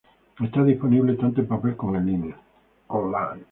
Está disponible tanto en papel como en línea.